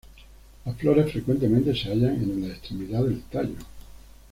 Las flores frecuentemente se hallan en la extremidad del tallo.